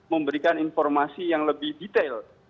memberikan informasi yang lebih detail